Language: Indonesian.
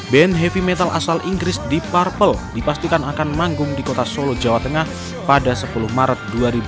band heavy metal asal inggris deep parple dipastikan akan manggung di kota solo jawa tengah pada sepuluh maret dua ribu dua puluh